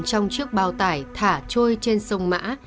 trong chiếc bào tải thả trôi trên sông mã